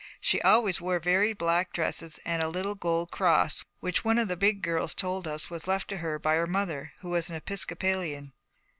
She always wore very black dresses and a little gold cross, which one of the Big Girls told us was left to her by her mother, who was an Episcopalian.